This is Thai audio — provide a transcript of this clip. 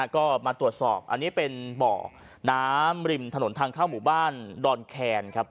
ก็มาตรวจสอบอันนี้เป็นบ่อน้ำริมถนนทางเข้าหมู่บ้านดอนแคนครับ